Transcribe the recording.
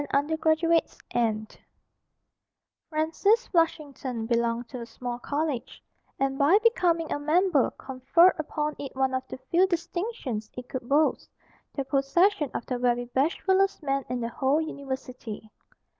_ [Illustration: F] Francis Flushington belonged to a small college, and by becoming a member conferred upon it one of the few distinctions it could boast the possession of the very bashfulest man in the whole university.